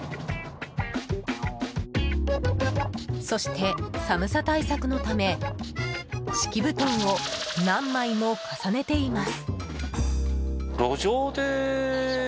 そして、寒さ対策のため敷き布団を何枚も重ねています。